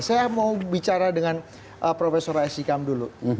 saya mau bicara dengan profesor aisyikam dulu